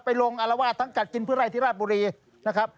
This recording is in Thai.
ลงอารวาสทั้งกัดกินพืไร่ที่ราชบุรีนะครับ